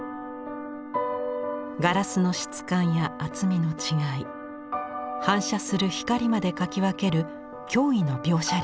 ガラスの質感や厚みの違い反射する光まで描き分ける驚異の描写力。